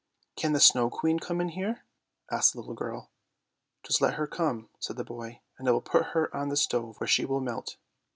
" Can the Snow Queen come in here? " asked the little girl. " Just let her come," said the boy, " and I will put her on the stove, where she will melt."